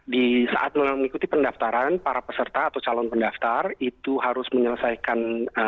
di saat mengikuti pendaftaran para peserta atau calon pendaftar itu harus menyelesaikan